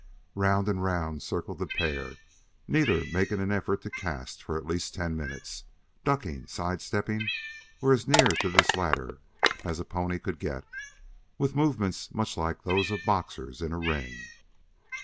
Round and round circled the pair, neither making an effort to cast for at least ten minutes, ducking, side stepping, or as near to this latter as a pony could get, and with movements much like those of boxers in a ring.